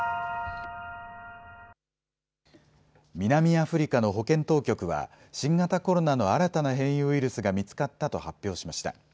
南アフリカの保健当局は新型コロナの新たな変異ウイルスが見つかったと発表しました。